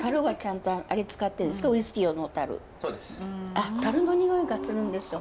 あっ樽の匂いがするんですよ。